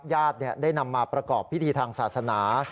ญาติได้นำมาประกอบพิธีทางศาสนา